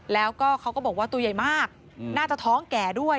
แล้วก็เขาก็บอกว่าตัวใหญ่มากน่าจะท้องแก่ด้วย